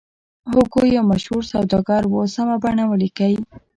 هوګو یو مشهور سوداګر و سمه بڼه ولیکئ.